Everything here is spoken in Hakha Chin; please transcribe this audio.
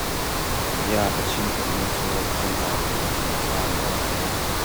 Bia a chim tuk mi cu zumh awk an har caan a um ve.